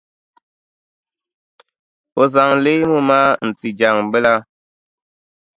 O zaŋ leemu maa n-ti Jaŋʼ bila.